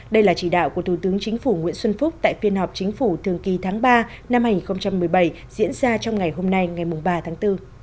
đây là chỉ đạo của thủ tướng chính phủ nguyễn xuân phúc tại phiên họp chính phủ thường kỳ tháng ba năm hai nghìn một mươi bảy diễn ra trong ngày hôm nay ngày ba tháng bốn